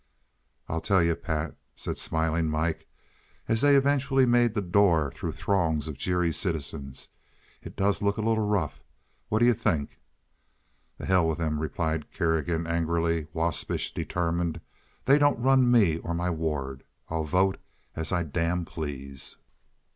"I'll tell you, Pat," said "Smiling Mike," as they eventually made the door through throngs of jeering citizens; "it does look a little rough. Whad ye think?" "To hell with them!" replied Kerrigan, angry, waspish, determined. "They don't run me or my ward. I'll vote as I damn please."